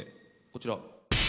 こちら。